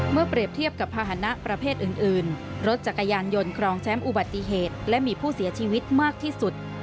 เปรียบเทียบกับภาษณะประเภทอื่นรถจักรยานยนต์ครองแชมป์อุบัติเหตุและมีผู้เสียชีวิตมากที่สุด